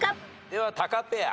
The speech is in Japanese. ではタカペア。